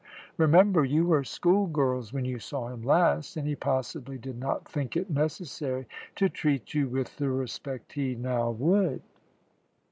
Remember, you were school girls when you saw him last, and he possibly did not think it necessary to treat you with the respect he now would."